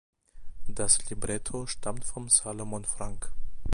Das Libretto stammt von Salomon Franck.